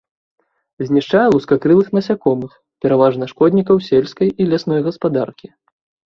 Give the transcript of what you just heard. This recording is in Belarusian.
Знішчае лускакрылых насякомых, пераважна шкоднікаў сельскай і лясной гаспадаркі.